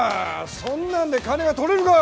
そんなんで金が取れるか。